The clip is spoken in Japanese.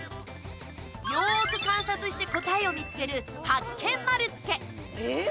よーく観察して答えを見つけるハッケン丸つけ。